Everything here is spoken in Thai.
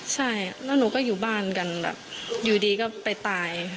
ใช่แล้วหนูก็อยู่บ้านกันแบบอยู่ดีก็ไปตาย